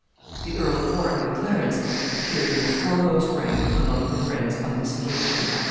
The Earl of Warwick and Clarence appeared in the foremost rank among her friends on this occasion.